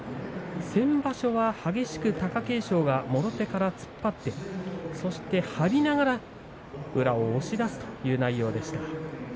先場所は激しく貴景勝がもろ手から突っ張って張りながら宇良を押し出すという内容でした。